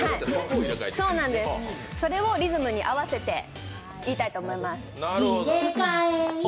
それをリズムに合わせて言いたいと思います。